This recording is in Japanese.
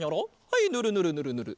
はいぬるぬるぬるぬる。